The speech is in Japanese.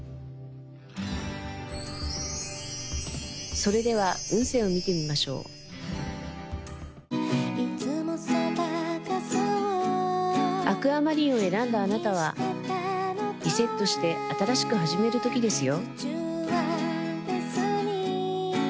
それでは運勢を見てみましょうアクアマリンを選んだあなたはリセットして新しく始める時ですよ